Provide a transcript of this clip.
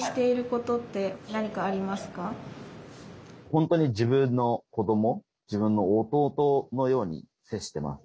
本当に自分の子ども自分の弟のように接してます。